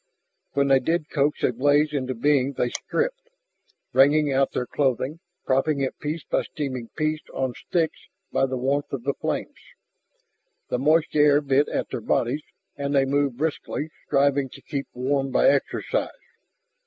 When they did coax a blaze into being they stripped, wringing out their clothing, propping it piece by steaming piece on sticks by the warmth of the flames. The moist air bit at their bodies and they moved briskly, striving to keep warm by exercise.